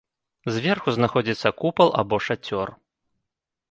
Зверху знаходзіцца купал або шацёр.